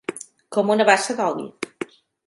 Com una bassa d'oli.